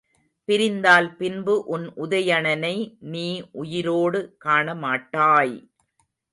பிரிந்தால் பின்பு உன் உதயணனை நீ உயிரோடு காணமாட்டாய்!